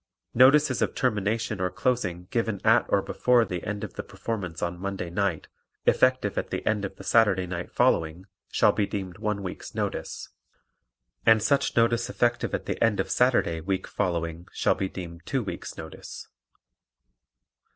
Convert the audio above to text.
Notices of termination or closing given at or before the end of the performance on Monday night, effective at the end of the Saturday night following, shall be deemed one week's notice; and such notice effective at the end of Saturday week following shall be deemed two weeks' notice.